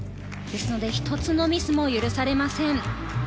ですので１つのミスも許されません。